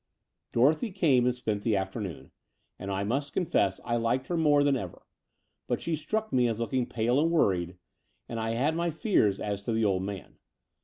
Dorothy came and spent the afternoon, and I must confess I liked her more than ever. But she struck me as looking pale and worried; and I had ^ my fears as to the old man.